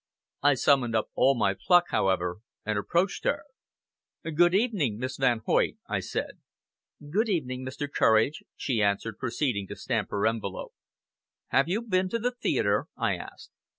I summoned up all my pluck, however, and approached her. "Good evening, Miss Van Hoyt!" I said. "Good evening, Mr. Courage!" she answered, proceeding to stamp her envelope. "Have you been to the theatre?" I asked.